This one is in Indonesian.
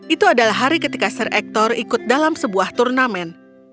itu adalah hari ketika sir ektor ikut dalam sebuah turnamen